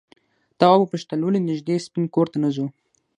تواب وپوښتل ولې نږدې سپین کور ته نه ځو؟